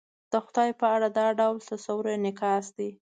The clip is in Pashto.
د خدای په اړه دا ډول تصور انعکاس دی.